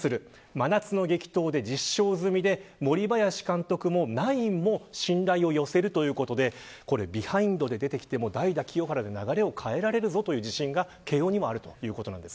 真夏の激闘で実証済みで森林監督もナインも信頼を寄せるということでこれ、ビハインドで出てきても代打清原で流れを変えられるぞという自信が慶応にあります。